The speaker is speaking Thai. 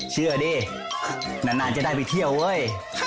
ดินานจะได้ไปเที่ยวเว้ย